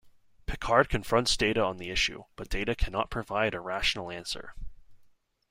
Picard confronts Data on the issue, but Data cannot provide a rational answer.